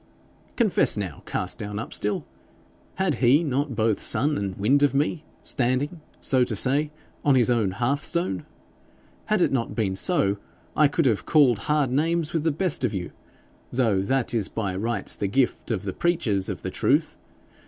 'Confess now, Cast down Upstill, had he not both sun and wind of me standing, so to say, on his own hearth stone? Had it not been so, I could have called hard names with the best of you, though that is by rights the gift of the preachers of the truth.